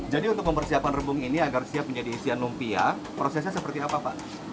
jadi untuk mempersiapkan rebung ini agar siap menjadi isian lumpia prosesnya seperti apa pak